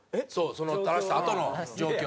垂らしたあとの状況。